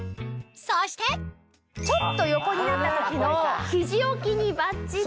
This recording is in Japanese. そしてちょっと横になった時の肘置きにバッチリ。